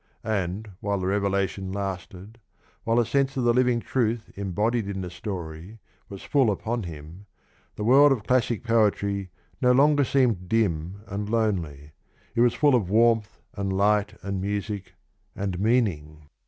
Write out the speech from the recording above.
And while the revelation lasted, while the sense of the living truth embodied in the story was full upon him, the world of classic poetry no longer seemed dim and lonely; it was full of warmth and light and music and meaning.